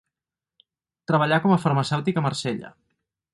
Treballà com a farmacèutic a Marsella.